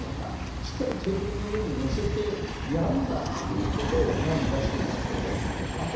しっかりテーブルの上に載せて、やるんだということを、前に出していかなければいけないと思います。